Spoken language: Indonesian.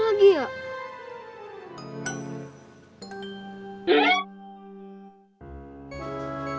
tugas udah selesai nih